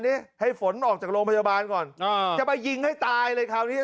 นี่ให้ฝนออกจากโรงพยาบาลก่อนอ่าจะไปยิงให้ตายเลยคราวนี้